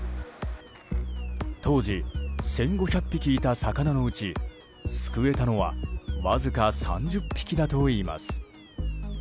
当時１５００匹いた魚のうち救えたのはわずか３０匹だといいます。